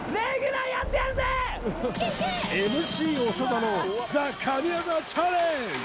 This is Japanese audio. ＭＣ長田のＴＨＥ神業チャレンジ